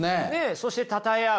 そしてたたえ合う。